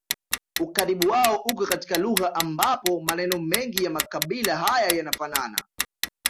Ukaribu wao uko katika lugha ambapo maneno mengi ya makabila haya yanafanana